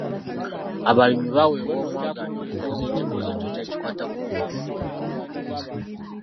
Abalimi baweebwa omwagaanya okubuuza ekibuuzo kyonna ekikwata ku byobulimi n'obulunzi.